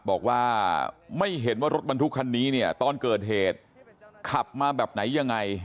บอกว่าไม่เห็นว่ารถบรรทุกคันนี้เนี่ยตอนเกิดเหตุขับมาแบบไหนยังไง